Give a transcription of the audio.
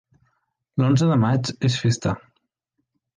L'onze de maig és festa.